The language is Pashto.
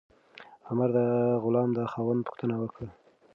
عمر د غلام د خاوند پوښتنه وکړه.